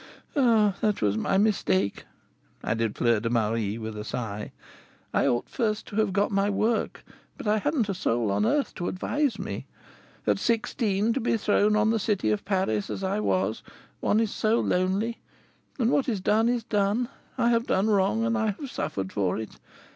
Ah, that was my mistake," added Fleur de Marie, with a sigh. "I ought first to have got my work; but I hadn't a soul on earth to advise me. At sixteen, to be thrown on the city of Paris, as I was, one is so lonely; and what is done is done. I have done wrong, and I have suffered for it.